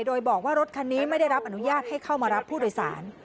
โดยบอกว่ารถคันนี้ไม่ได้รับอนุญาตให้เข้ามารับผู้โดยสาร